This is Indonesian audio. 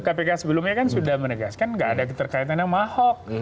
kpk sebelumnya kan sudah menegaskan tidak ada keterkaitan sama ahok